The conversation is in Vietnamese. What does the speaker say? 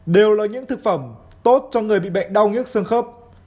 đều là những thực phẩm tốt cho người bị bệnh đau nhức xương khớp